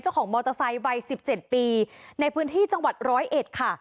เจ้าของมอเตอร์ไซต์วัยสิบเจ็ดปีในพื้นที่จังหวัดร้อยเอ็ดค่ะ